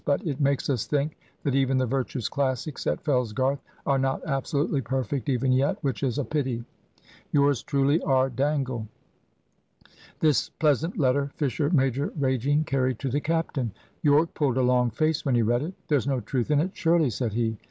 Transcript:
But it makes us think that even the virtuous Classics at Fellsgarth are not absolutely perfect even yet which is a pity. "Yours truly, "R. Dangle." This pleasant letter, Fisher major, raging, carried to the captain. Yorke pulled a long face when he read it. "There's no truth in it, surely?" said he.